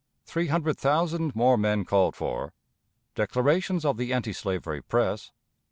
Three Hundred Thousand more Men called for. Declarations of the Antislavery Press.